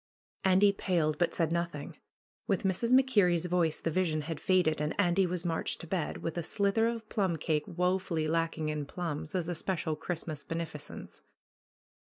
Andy paled, but said nothing. With Mrs. MacKer rie's voice the vision had faded, and Andy was marched to bed, with a slither of plum cake woefully lacking in plums, as a special Christmas beneficence.